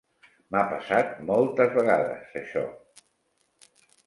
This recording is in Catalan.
M'ha passat moltes vegades, això.